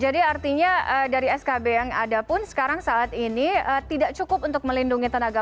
jadi artinya dari skb yang ada pun sekarang saat ini tidak cukup untuk melindungi tenaga